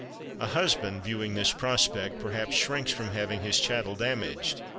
A husband, viewing this prospect, perhaps shrinks from having his chattel damaged.